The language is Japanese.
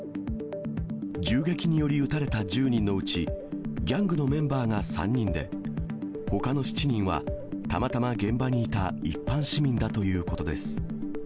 銃撃により撃たれた１０人のうち、ギャングのメンバーが３人で、ほかの７人はたまたま現場にいた一般市民だということです。